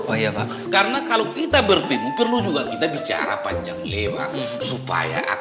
upaya pak karena kalau kita bertemu perlu juga kita bicara panjang lewat supaya